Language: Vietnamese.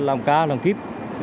làm ca làm kíp